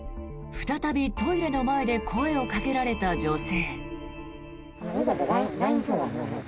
再び、トイレの前で声をかけられた女性。